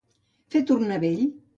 Fer tornar vell.